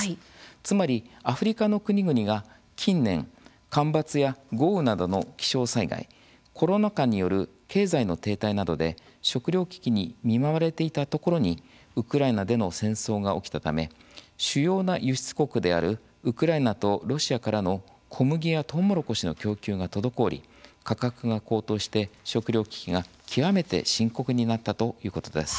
つまり、アフリカの国々が近年干ばつや豪雨などの気象災害コロナ禍による経済の停滞などで食料危機に見舞われていたところにウクライナでの戦争が起きたため主要な輸出国であるウクライナとロシアからの小麦やとうもろこしの供給が滞り価格が高騰して食料危機が極めて深刻になったということです。